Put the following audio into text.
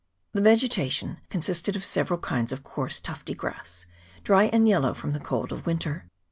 The vegetation consisted of several kinds of coarse tufty grass, dry and yellow from the cold of winter.